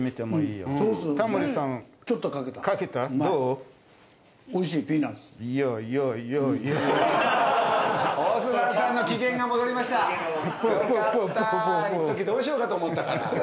いっときどうしようかと思ったから。